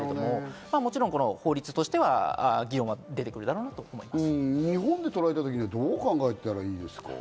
もちろん法律としては議論が出てくるだろうと思います。